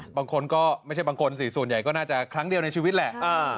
บางคนก็ไม่ใช่บางคนสิส่วนใหญ่ก็น่าจะครั้งเดียวในชีวิตแหละ